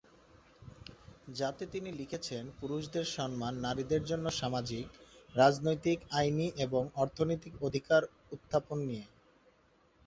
যাতে তিনি লিখেছেন পুরুষদের সমান নারীদের জন্য সামাজিক, রাজনৈতিক, আইনি এবং অর্থনৈতিক অধিকার উত্থাপন নিয়ে।